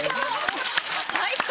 最高！